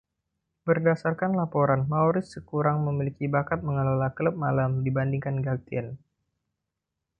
Berdasarkan laporan, Maurice kurang memiliki bakat mengelola klub malam dibandingkan Gatien.